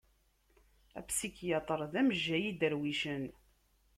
Apsikyatr d amejjay n idarwicen.